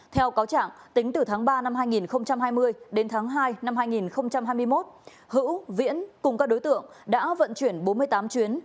theo cáo trạng tính từ tháng ba năm hai nghìn hai mươi đến tháng hai năm hai nghìn hai mươi một hữu viễn cùng các đối tượng đã vận chuyển bốn mươi tám chuyến